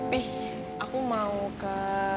wih aku mau ke